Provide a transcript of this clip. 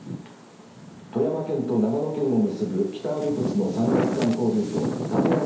富山県と長野県を結ぶ北アルプスの山岳観光ルート立山